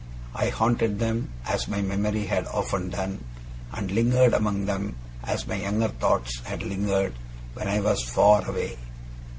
I haunted them, as my memory had often done, and lingered among them as my younger thoughts had lingered when I was far away.